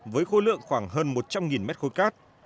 với khối lượng khoảng hơn một trăm linh mét khối cát